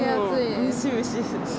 ムシムシします。